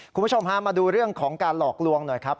คุณผู้ชมฮะมาดูเรื่องของการหลอกลวงหน่อยครับ